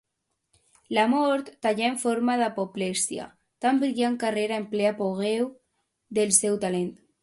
La mort tallà en forma d'apoplexia, tan brillant carrera en ple apogeu del seu talent.